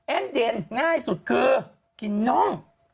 เดนง่ายสุดคือกินน่อง